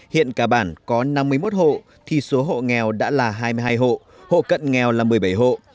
hiện cả bản có năm mươi một hộ thì số hộ nghèo đã là hai mươi hai hộ hộ cận nghèo là một mươi bảy hộ